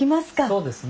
そうですね。